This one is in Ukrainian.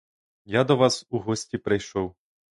Я до вас у гості прийшов.